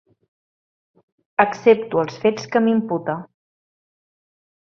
Accepto els fets que m’imputa.